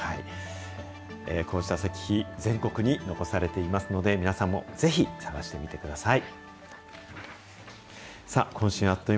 こうした石碑、全国に残されていますので、皆さんもぜひ探してみてください。